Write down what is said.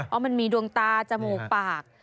เพราะมันมีดวงตาจมูกปาก